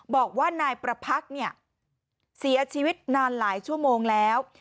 บอกว่านายประพักษ์เนี่ยเสียชีวิตนานหลายชั่วโมงแล้ว